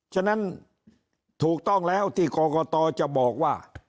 ฉะนั้นถูกต้องแล้วที่กรกตจะบอกว่า